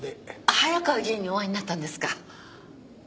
早川議員にお会いになったんですか。